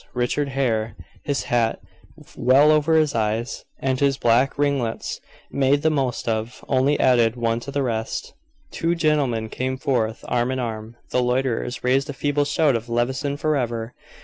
Richard Hare, his hat well over his eyes, and his black ringlets made the most of, only added one to the rest. Two gentlemen came forth, arm in arm. The loiterers raised a feeble shout of "Levison forever!"